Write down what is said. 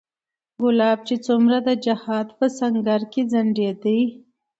کلاب چې څومره د جهاد په سنګر کې ځنډېدی